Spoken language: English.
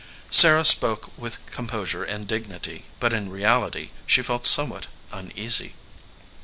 Sarah spoke with composure and dignity, but in reality she felt somewhat uneasy.